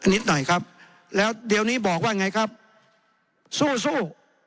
นิดหน่อยครับแล้วเดี๋ยวนี้บอกว่าไงครับสู้สู้